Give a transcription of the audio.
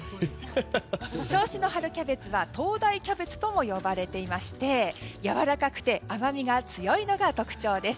銚子の春キャベツは灯台キャベツとも呼ばれていてやわらかくて甘みが強いのが特徴です。